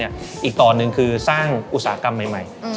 อีกตอนหนึ่งคือสร้างอุตสาหกรรมใหม่